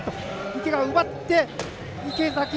池が奪って池崎トライ！